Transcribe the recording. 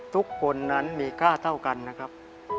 ทุกคนนั้นมีค่าเท่ากันนะครับ